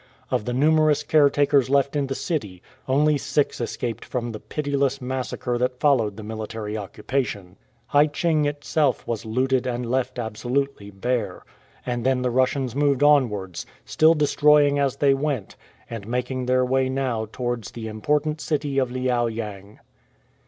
Of the numerous caretakers left in the city only six escaped from the pitiless massacre that followed the military occupation. Hai cheng itself was looted and left absolutely bare. And then the Russians moved onwards, still destroying as they went, and making their way now towards the important city of Liao yang.